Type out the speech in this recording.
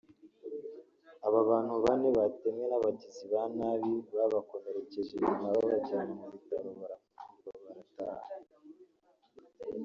Aba bantu bane batemwe n’aba bagizi ba nabi babakomerekeje nyuma babajyana mu bitaro baravurwa barataha